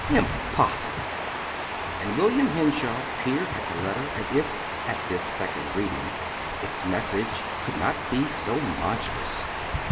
Impossible! And William Henshaw peered at the letter as if, at this second reading, its message could not be so monstrous.